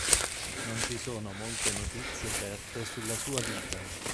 Non ci sono molte notizie certe sulla sua vita.